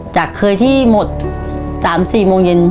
จากเคยที่หมด๓๔โมงเย็น